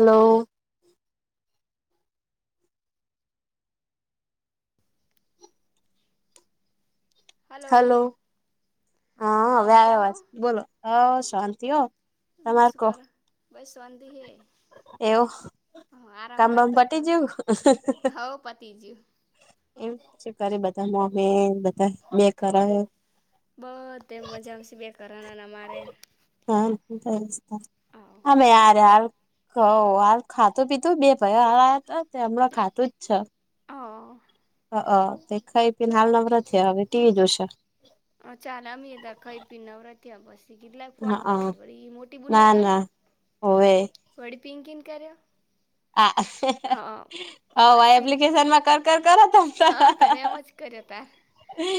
Hello. Hello હા વ્યા વાજ બોલો હ શાંતિ હો તમાર શું કહો? કરો બસ વાંધી હે. એવો હા, આરામ કામમાં કરતો હતો પટી જવું. હવ પતી ગયું એમ છે કરે બધામાં હ. [inaudible] બ બસ એ મજામાંશે બે કરના મારે હા અમે આરામ હ હાર ખાતું પીતું બે ભાઈ હ હમણાં ખાતું જ છે. હ. હા, તે ખાઈ-પીને હાલ નંબર નથી. હવે ટીવી જોશે. હં, ચાલ. એદા ખાઈ-પી નવરા થયા, બસ. કેટલાક હા ફોન કરો, હા વડી મોટી બુના ના કર્યો, ના હોવે વડી પિંકિન કર્યો. હા. હા હા, પછી એપ્લિકેશનમાં કર, કર, કર તું. હા તારે એમ જ કર્યો તાર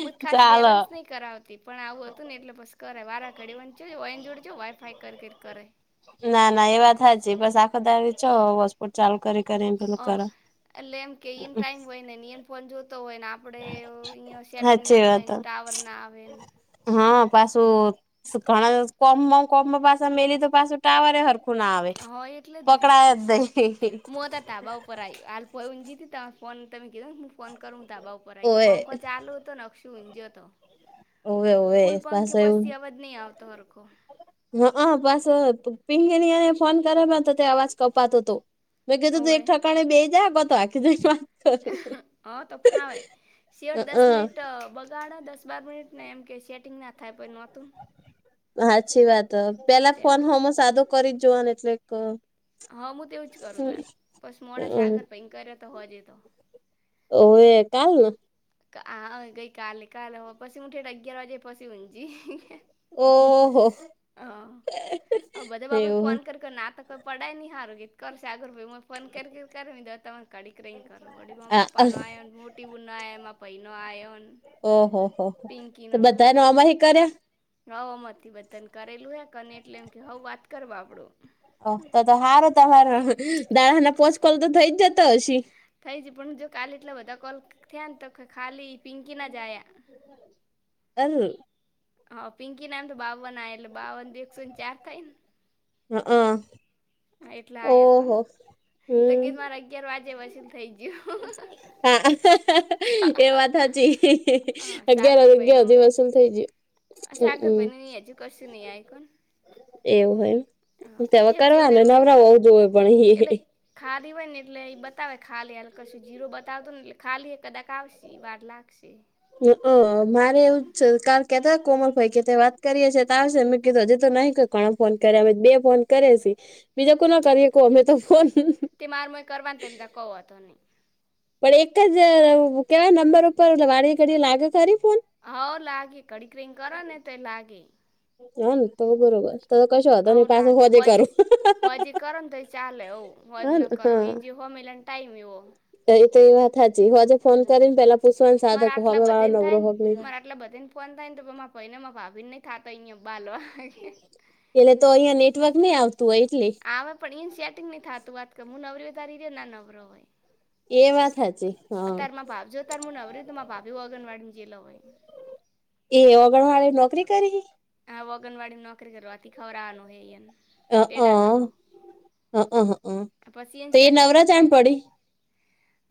હું ખાસ ચાલ. બેલેન્સ નહીં કરાવતી, પણ આવું હતું ને એટલે બસ કરે. વારા કાઢીને જ ને જોડજો, વાઈ-ફાઈ કર, કરે. ના ના, એ વાત હા. બસ આખો દાડી છો, હોટસ્પોટ ચાલુ કરી. કરીને પેલું ઓ કરો લેમ, કઈન ટાઈમ? હોય ને, નિયન ફોન જોતો હોય ને, આપે સેટિંગ સાચી ના વાત થાય ને, ટાવર ના આવે ને. હા, પાછું ઘણા કોમમાં કોમ પાછું મળે તો પાછું ટાવર. હા, એટલે જ નહીં, પણ નહી હું હતો, તાબા ઉપર આવ. હોય, ઊભી હતી તો ફોન તમે કીધો ને. હું ફોન કરું, ધાબા ઉપર. અહીંયા ઓવે પંખો ચાલતો હતો. નકશ. શું જતો, ઓવે ઓવે ફૂલ પંખી. પાછું પછી અવાજ નહીં આવતો હરખો. શું જતો, ફૂલ પંખી. પછી અવાજ નહીં આવતો હરખો. મેં કીધું, તું ઓવે એક ઠેકાણે બેસ જાય તો આખી. એ કરું હું હા તો ફાવે શિયાળ દસ હઅ મિનિટ બગ. ઘણા દસ-બાર મિનિટ ને એમ કે સેટિંગ ના થાય, પણ નહોતું. સાચી વાત પેલા તેમ ફોન સાવ સાદો કરી જ જોવાનો એટલે. હા હું તેવું જ કરું. તાર બસ મોડા સાગર પર કર તો હશે તો. ઓ એ કાલના. હા ગઈ કાલે. કાલે પછી હું ઠેઠ અગિયાર વાગે પછી હંજી... ઓહો અ આ બધા આપણે એવું ફોન કર કર ના તું. ઈ પડાય નહીં હારું કે કરશે આગળ ભાઈ. ફોન કરી કર, દા. કાડીક કરો, વડી આ પપ્પાના આવ મોટી બૂન - - ભઈનો આયોન. ઓહ હોહ, તો બધાના આમાં જ કર્યા. હા, આમાંથી બટન કરેલું છે અને એટલે એમ કે હઉં વાત કરું આપણું. અ તો તો હાર તો હાર દાણાના પોચકોલ તો થઈ જ જતો હશે. થઈ જ પણ હા જો કાલે એટલા બધા કોલ થયા ને તો ખાલી પિંકીના જ આયા. તાઅલુ. હા પિંકી નામ તો બાવન. એટલે બાવન એકસો ને ચાર થાય ને. હ અ. હા, એટલે આવ્યા કોણ? તો હમ ગીત મારે અગિયાર વાગે... થઈ ગયું હા, એ વાત સાચી. હા અગિયાર-અગિયાર દિવસ ફૂલ થઈ ગયું. અ હમ અગરપણી ન હજુ કશું નહીં આયુ કન. એવું હોય તો હવે એ હજી કરવા નવરા હો જો હોય પણ એ. ખાધી હોય ને એટલે એ બતાવે. ખાલી હકું જીરો બતાવત ને એટલે ખાલીકા ઈ બાર લાખશે. હું તો મારે એવું છે. કેતા કોમલભાઈ કે વાત કરીએ તો આવશે. મેં કીધું હજી તો નહીં, કોણ ફોન કરે? એ બે ફોન કરે. બીજા કો ના કરીએ, કો અમે તો ફોન. તે મારામાં એ કરવાનું ને તેમને કહો વાઘો નહીં. પણ એક જ કહેવાય નંબર ઉપર વળી ઘડી લાગે ખરી ફોન. હા લાગે કડીકરિંગ કરો ને તો લાગે. હા ન તો બરોબર. તો કશો વાંધો અવુ નહી પાછો લા હોજે હોજી. કરું હો હજી કરો ને તોય ચાલે. હું હો જ હા ન કરો એ જે હોમ એલે ને ટાઈમ એવો. એ એ તો એ વાત હજી હું આજે ફોન કરીને પહેલા પુછવા હવે વાળો નવરો હોક નહીં. મારે એટલે બધે ને ફોન થાય ને તો ભઈ ને ભાભી નહી થાતો અયા બાલો. એટલે તો અહિયાં નેટવર્ક નહી આવતું હોય એટલે આવે પણ એ સેટિંગ નહી થતું વાત કર હું નવરીય તારી ના નવરો હોય. એ વાત સાચી. હા અતાર મા ભાવજ જો તાર હું નવરી તો મા ભાભી આંગણવાડીને જલ હોય. એ આગણવાડી પણ માે નોકરી કરી હા આગનવાડી ને નોકરી કરવાથી ખવડાવાનુ આનું હૈ. હ અ તે ડાગરમાં હ અ હ અ પછી એ તો સેટિંગ નવરા ના જાણ થાય. પડી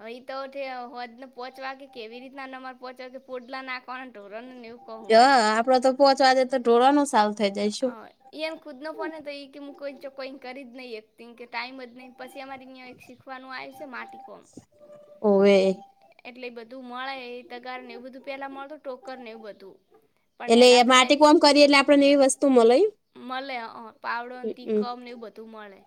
અહી તો હો પહોચવા કેવી રીતના નંબર પહોંચવા કે પડલા નાખ હા તો રણની ઉપર હોય. પ્રથમ પોચવાજે તો ઢોવા નો સ હ એમ ખુદ નો ફોન તો એઈ કે હું કોઈ કોઈ કરી જ નહી એક કે ટાઈમ જ નહી પછી અમારે અં એક શીખવાનું આવ છે માટી કોણ. ઓવે એટલે એટલે બધું મળે તગાર ને એવું બધું પેલા મળતું ટોકર ને એવું બધું. પણ એટલે એલા તો માટી ડાયરેક્ટ કોમ કરીએ એટલે આપડણેને એવી વસ્તુ મળે. મળે અ પાવડોને તી હમ કમ ને એવું બધું મળે.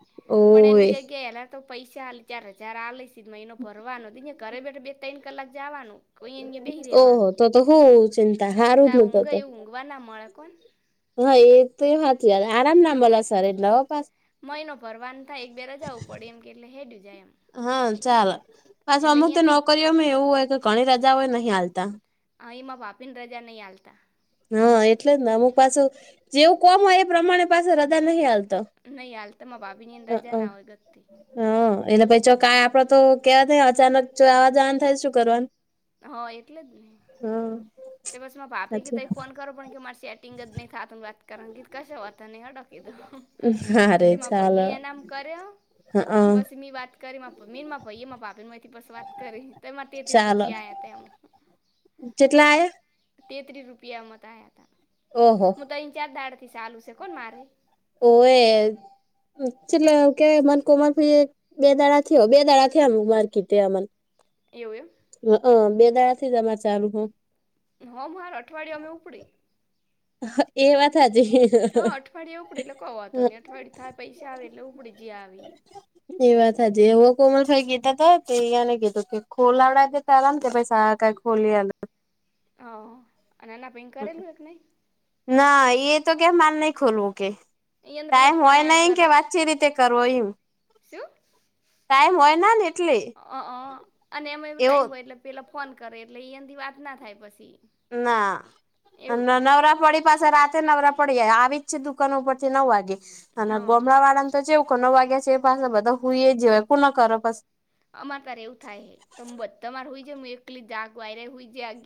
પણ એની ઓવે જગ્યા એલા તો પૈસા આા ચાર હજાર આલીશ. મહિનો ભરવાનો ઘરે બેઠા બે ત્રણ કલાક જવાનું કોઈ અ બેહી ઓહો રેવાનું તો તો હું ચિંતા ત હારું જ નતો ઊંઘ તો એવું ઊંઘવા ના મળે કોણ હા એ તો એ વાત આરામ લાંબ લ સર નવ પાસ [unintelligible] એનો ભરવાન થાય એક બે રજાઓ પડે એમ કે એટલે હેડું જાય એમ હા પાછુ એટલે અમુક તો અહીંયાથી નોકરીઓમાં એવું હોય કે ઘણી રજા ઓ એ નહિ આલતા અ એમાં વાપી ને રજા નહી આલતા હા એટલે જ ને અમુક પાછું જેવું કોમ હોય એ પ્રમાણે પાછો રજા નહિ આલતા નહીં હાલ તમા ભાભીની અંદર રજા ના હોય ગગતિ હા એલે પછ ક આપડે તો કેવા થાય અચાનક આવા જવા થાય શું કરવાનું [unintelligible] હા એટલે જ ને હા તો બસ મા પાપી સાચી ત ફોન [unintelligible] કરો પણ કે માર એટિંગ જ નહી થત વાત કરણ કશ વાતતા નને હટોકી તોું હા રે [unintelligible] તેમાં પાઈ ચાલો એ એનામ કરે હ હા પછી મી વાત કરી મીનમાં ભાઈ એમાં પાપેથી બસ વાત કરી તોમાં તેત્રીસ રૂપિયા આયા તમ [unintelligible] જેટલા આયા તેત્રી રૂપિયા મતાયા હતા ઓહો હું તો અહીંત્રણ ચાર દાડા થી ચાલુ છે કોણ મારે ઓ એ છેલે કે મન કોમા [unintelligible] બે દાડાાથીઓ બે દાડાડાથી માર્કેટે આર [unintelligible] એવુ એમ અ બે દાડા થી તમાર ચાલુ હ હં હું હર અઠવાડિયે અમે ઉપડી [unintelligible] એ વાત હાચી હ અઠવાડયે ઉપડે એટલે ક વાતો ને અઠવાડયે થાય પૈસા આવે એટલે ઉપડી જે આવી એ વાત હજ એવો કોમલભાઈ કીધ તો તોયાને કીધું કે ખોલાડા [unintelligible] ચાલલા ને ભછ સ કઈ ખોલીલ [unintelligible] હ નાના ભાઈ કરેલુંય કે નહીં ના એ તો કે મારે નહી ખોલવું કે અહીંયા તો ટાઈમ પેલા ફોન હોય આય ન કે કરે વાતચી રીતે કરવો એમ શું ટાઈમ હોય ના ને એટલે અઅ અને એમાં એવું એવો ટાઈમ હોય એટલે પેલા ફોન કરે એટલે એનથી વાત ના થાય પછી. ના એવું થાય. નવરા પડી પાસે રાતે નવરા પડી આવી જ છે દુકાન ઉપરથી નવ વાગે હ અને ગોમડાવાળા તો ચેવુક નો વાગ્યા છે એ પાસા બધા હુંએ જ જ્ય કુને કરે પસ અમારે તાર એવું થાય હે તો બધ માર હોય જ્યાં હું એકલી જાગ આયરા હુઈ જ્યાં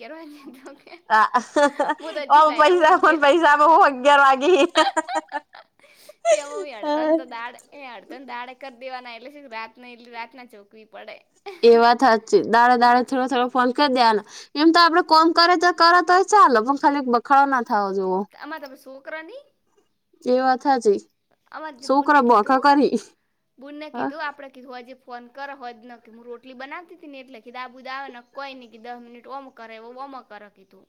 હું તો હ હજી ન તાયરા પૈસા હુઈ પણ ગયેલ પૈસા [unintelligible] ગ્યાર વાગી તે હિ. મમ્મી અડધન તો [unintelligible] દાડ એ અડધાન દાડે કર દેવાના એટલે રાતને એટલી રાત ના ચોકવી પડે એ વાત હાચી દાડે દાડે હા, થોડો થોડો ફોન કર દેઆના એમ તો આપડે કોમ કરે તો કરે તોય ચાલો પણ ખાલી બખાડો ના થાઓ જોઓ આમાંરત શોકરાની [unintelligible] એ વાત હાચી. અમાંર ત બુનને છોકરા બોખા કીધું કરી બુનને કીધું આપડે કીધુ હોજે ફોન કરો હોજ ન કે હું રોટલી બનાવતી હતી ને એટલે કીધા દાબુંદાવ નક કોઈ ની કે દહ મિનિટ ઓમ કરે ઓમ [unintelligible] કરો કીધું.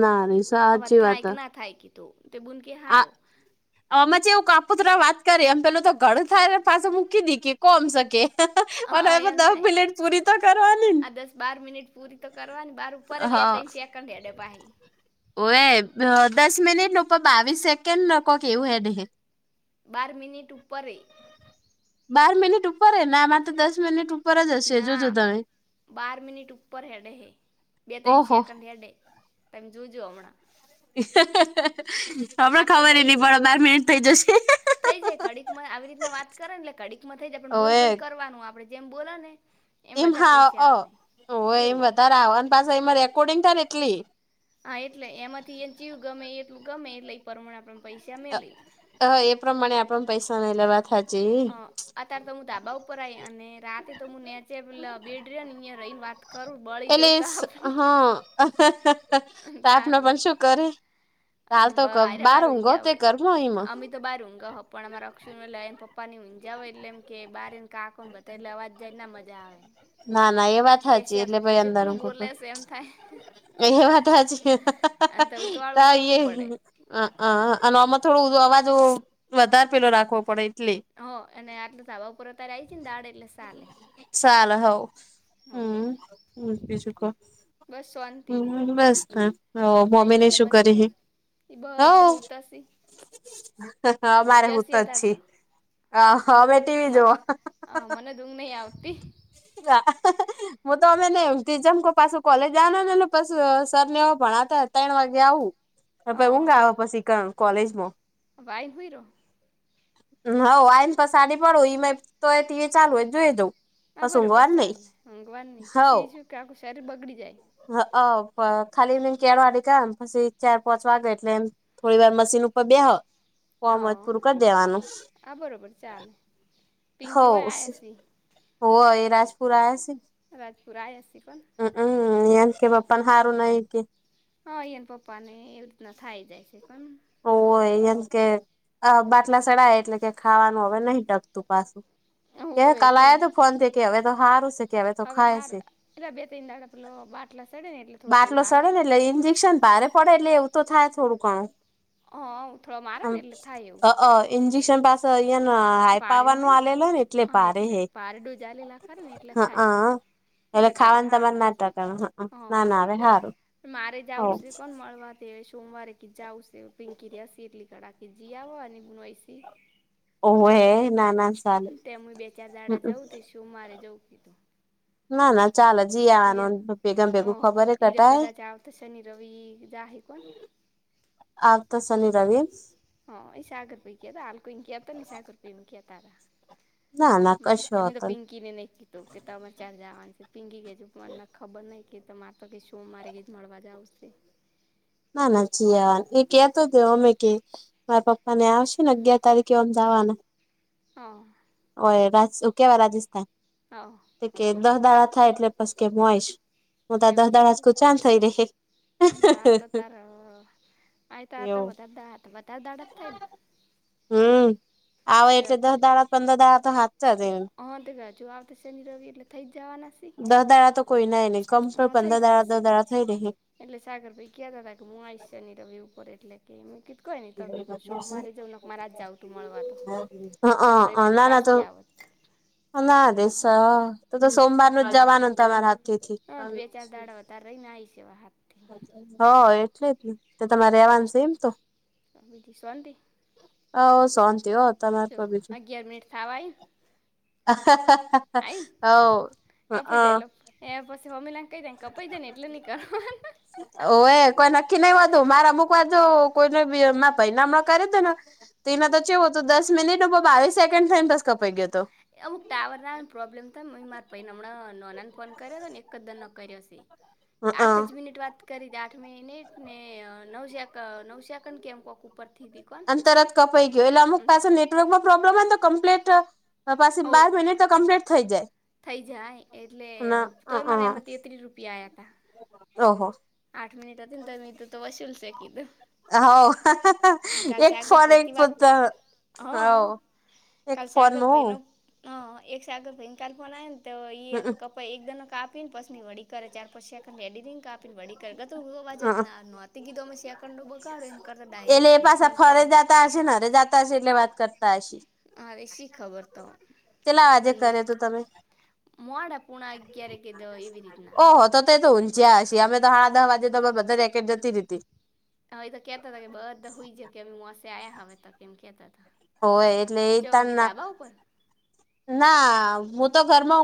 ના નિસ અવાજ થાય કે ના થાય કીધું તે બૂન કે હારુ આમાં ચેવું કાપુતરા વાત કરી એમ પેલું તો ઘણું થાય પાછું મૂકી દી કે કોમશ કે. હ એમ થાય કરવાની આ દસ બાર મિનિટ પૂરી તો કરવાની બાર ઉપર ને બે તઇન સેકન્ડ હેડે પાહે હી હોએ અ દસ મિનિટ ને ઉપર બાવીસ સેકન્ડન કોક એવું હેડે હે બાર મિનિટ ઉપરે બાર મિનિટ ઉપરે ના માંર તો દસ મિનિટ ઉપર જ હશે ના જોજો તમે બાર મિનિટ ઉપર હેડે હે, બે તઇન ઓહો સેકન્ડ હેડે. તમે જોજો હમણાં. હમણા હાથ તો ખબર એ થઈ નહિ ગઈ પડ બાર મિનિટ થઈ જશે થઈ જાય ઘડીક માં આવી રીતના વાત કરે ન એટલે ઘડીક માં થઈ જાય પણ બૂલ ઓવે બૂલ કરવાનું આપડે. જેમ બોલા ને એમ વધારે હા પૈસા અ આવે હોવે એવું એમ હોય વધારે આવ ને પાસા એમાં રેકોર્ડિંગ થાય ને એટલે હા એટલે એમાંથી એન ચેવું ગમે એટલું ગમે એટલે એ પરમાણે આપ પૈસા મેલી. અ એ પ્રમાણે આપણ પૈસા મેંલે વાત હાચ અ અત્યારે તો હું ધાબા ઉપર આઈ અને રાતે તો હું નેચે બેડ રહ્યોને અહયા રહીને વાત કરું બળી એટલે જવું હ તા આપણને [unintelligible] ખલો તારે પણ શું કરે ચાલ અને તો બ ઘ આયરા બાર હુંઘો ઊંઝા તે હોય ઘર મ ઈમ અમે તો બહાર ઊંઘા હો પણ અમા અક્ષય એટલે એને પપ્પાની ઊંજા હોય એટલે એમ કે બારેન કાકો ન બધા એટલે અવાજ જાય ન ના મજા આવે. ના ના એ વાત હાચી કેશિયા તો એટલે બઉ ભાઈ અંદર જેટલું ઊંઘું બોલે છે એમ થાય પડ એ વાત હાચી. આ ધવત વાળું હા ઇહે બોલવું હિ પડે હઅ અને આમાં થોડુ અવાજ વધાર પેલો રાખવો પડે એટલે હ અને આટલ ધાબા ઉપર અત્યાર આઈ જઈ ને દાડે એટલે સાલે સાલ હઓ. હઓ હમ્મ બીજુકો હે હમ્મ બસ તાન ફઈને મોમી ને બધા શું મજા કરે હિ એ હ બધા હુતાશી અમારે હું ઊંઝાશી તો જ અતાર છે આ હવે મન મને ઊંઘ નઈ આવતી. [inaudible] હું તો ઓમે નઈ ઊંઘતી ચમ ક પાછું કોલેજ જવાનું નેને પસ સર ને એવ ભણતા ત્રણ વાગે આઉં હ ત અ ઊંઘ આવ પછી ક કોલેજમાં વાઈ હુંઈરો હવ આઈને પસાડી પડું એ તો એ ચાલુ હોય જોઈ જઉં હા બરાબર ચાલે ઊંઘવાર નહીં પછી એ શું કે આખું શારીર બગડી જાય. હ ખાલી કેળવાડીકમ પછી ચાર પાંચ વાગે એટલે એમ થોડી વાર મશીન ઉપર બેહ હ કોમ હોય ત પૂરું કરી દેવાનું આ બરોબર ચાલે પિંકી હોવ, હોય આયાસી હોવ એ રાજપુર આયા છે. રાજપુર આયા સી ક હમ્મ એ કે પપન હારું નઈ કે હ એન પપ્પા ને એવી રીતના થાય જાય છે, પણ ઓ હોય એમ કે અ બાટલા સડાય એટલે કે ખાવાનું હવે નહી ટકતું પાછું કે હોવે તે કાલયા તું ફોન થી કે હવે તો સારું સે કે હવે તો ખાય હાર છે. એટલે બે ત્રણ દાડા પેલો બાટલા ચડે ને એટલે થોડુંક એવું બાટલો સડે લાગે ને એટલે ઇન્જેક્શન ભારે પડે એટલે એવું તો થાય થોડું ઘણું હ થોડો મારે ને એટલે થાય એવું ઈજેક્શન પા અહિયાં હાઈ ભારે પાવર હોય નું આલેલો ને એટલે હા ભારે હે ભારે ડોઝ આલેલા ખરે ને એટલે થાય હા. એટલે કહેવાય ખાવાનું તમારે હારું ના છે ટકે, ના, હા ના હવે હારું. મારે જાવું છે કોણ મળવા તે સોમવારે કી જાવુંશે પિંકી રેસી એટલી કડા કી જીઆવો અને બનવાઈ સે. ઓવે હે ના ના ચાલે તેમ બે ચાર દાડા જઉ શું મારે જવું કીધું ના ના ચાલે જઈ આવનું ભેગા ભેગું ખબર હે હીરો કડાય. કદાચ આવતો શનિ રવિ જાહે કોણ આમતો શનિ -રવી. હા ઈ સાગર ભાઈ કેતા હાલ કોઈ ને કેતા નઈ સાગર ભાઈ એવું કેતા તા- ના ના મન કશો મેતો વાંધો પિંકી ને નહીં તો કે તમારે ચારે જવાનું છે. પીંગી કે છે મને ખબર નહીં કે તમારે તો કે શું મારે કીધું મળવા જાવું શે. ના ના જઈ આવાનું એ કેય તો તો અમે કે મારા પપ્પા ને આવશે ને અગિયાર તારીખે ઓમ જવાના હા. [unintelligible] રાજસ્થાન હોવ. કે દહ દાડા થાય એટલે પછી કે મોય આઈશ હું તો દસ દાડા [unintelligible] આતો તાર આ તો આ તો એવું વધારે દાડા જ થાય ને. હમ આવે એટલે દસ દાડા પંદર દાડા તો હાથ હા તો કજુ આવ શનિ, રવી એટલે થઈ જ જવાના છે. દહ દાડા તો કોઈ ના નહી કમ હ પણ થઈ પંદર દાડા દસ જશે દાડા થઈ રહી. એટલે સાગર ભાઈ કેતાતા કે હું આઈશ શની, રવિ ઉપર એટલે કે મે કીધું કઈ નહીં તો કીધું મારે સોમવાર જાઉ તું મળવા તો [unintelligible] તમ રવિવારની પાછી આવત ના દેસ તો તો સોમવારનું જવાનું ત મારા હ હા બે ચાર દાડા વધારે રેહીને આ આવીશું હા. હા, એટલે જ ને તે તમારે રેવાનું છે એમ તો. બીજી શાંતિ હોવ શોતી હો. તમાર તો કો અગિયાર મિનિટ થાવા આઈ. [unintelligible] હોવ [unintelligible] કપાઈ જાય એટલે એ પછી હોમીને કઈ કપાઈ જાય ને એટલે નહીં કરવાનો. હોવે કોઈ નક્કી નઈ હોતું મારે અમુક વાર કોઈને ભી મારા ભઈ ના મા કર્યુંતુ ને તે એના તો ચવો તો દસ મિનિટ બાવીસ સેકન્ડ થઈ બસ કપાઈ ગયો હતો. એ અમુક ટાવરને પ્રોબ્લેમ તો માર પઈને હમણાં નાનાને ફોન કર્યો હતોને એક જદર નો કર્યોશે. [inaudible] તે આઠ જ મિનિટ વાત કરી દે આઠમી મિનિટ ને નવ સેક નવ સેકન્ડ કેમ કોક ઉપર અને તરત કપાઈ ગયો એટલે અમુક પાસે ત- નેટવર્કમાં પ્રોબ્લેમ હો તો કમ્પ્લેટ પાસી ઓ બાર મિનિટ તો કમ્પ્લીટ થઈ જાય. થઈ જાય એટલે ના તોય મારે અઅ. એમાં તેત્રીરી રૂપિયા આયા તા. ઓહો. આઠ મનિટ હતી તો મે કીધુ વસુલ છેે કીધું. હોવ એક ફોન એક [unintelligible] હા, હવ એક કાલ સાગર ફોનમાં ભાઈ હું નો હા એક સાગર ભાઈ નો ફોન આયો તો હમમ કપ પછી એકદને કાપીને પછીની વડી કરે ચાર પાછી એડિટિંગ કાપી વડી જ હઅ. ના નહોતી કીધું અમે સેકન્ડ બગાડો એને કરતા ડાયરીક ફોન કરો. તા હશે ને નરે જતા હશે એટલે વાત કરતા હશે. હા, હવે શી ખબર તો? ચેલા આજે અને કરયો તો તમે? મોડા પુણા અગિયાર કે દ એવી રીત ના ઓહો હતો તે તો ઊંજ જ્યાંશી અમે તો હડા દહ વાગે તો બધ રેકેટ જતી રી હ એ તો કેતા હતા કે બધા હુંઈ જયા કે મોસે આયા હવે તો કેમ કેતા તા હોવે એટલે એ તાર ના ના હું તો ઘરમાં